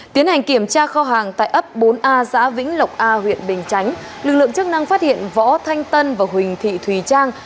tiến hành kiểm tra kho hàng tại ấp bốn a xã vĩnh lộc a huyện bình chánh lực lượng chức năng phát hiện võ thanh tân và huỳnh thị thùy trang